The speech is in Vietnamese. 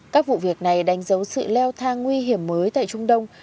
các vụ việc này đánh dấu sự leo thang nguy hiểm mới tại trung đông